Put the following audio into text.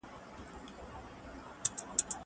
زه اوس ليکنه کوم!؟